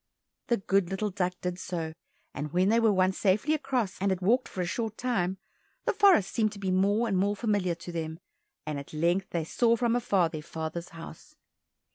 The good little duck did so, and when they were once safely across and had walked for a short time, the forest seemed to be more and more familiar to them, and at length they saw from afar their father's house.